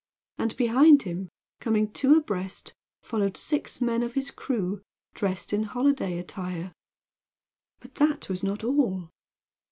And behind him, coming two abreast, followed six men of his crew dressed in holiday attire. But that was not all.